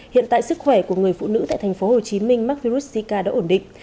hiện tại sức khỏe của người phụ nữ tại thành phố hồ chí minh mắc virus zika đã ổn định